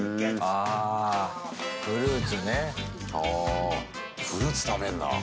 ああ、フルーツ食べんだ。